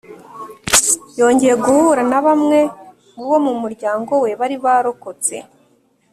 yongeye guhura na bamwe mu bo mu muryango we bari barokotse